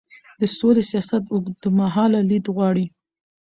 د سولې سیاست اوږدمهاله لید غواړي